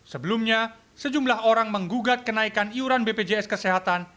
sebelumnya sejumlah orang menggugat kenaikan iuran bpjs kesehatan